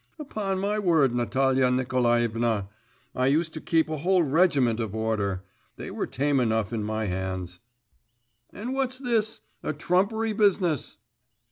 'Upon my word, Natalia Nikolaevna! I used to keep a whole regiment in order; they were tame enough in my hands; and what's this? A trumpery business!